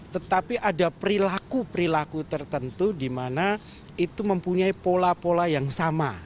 tetapi ada perilaku perilaku tertentu di mana itu mempunyai pola pola yang sama